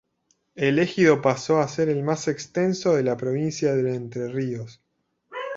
El ejido pasó a ser el más extenso de la provincia de Entre Ríos.